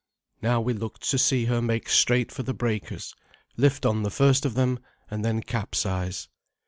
Now we looked to see her make straight for the breakers, lift on the first of them, and then capsize.